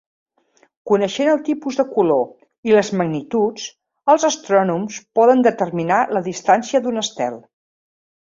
Coneixent el tipus de color i les magnituds els astrònoms poden determinar la distància d'un estel.